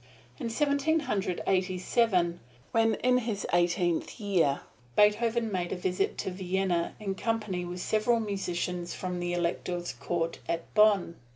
In Seventeen Hundred Eighty seven, when in his eighteenth year, Beethoven made a visit to Vienna in company with several musicians from the Elector's court at Bonn.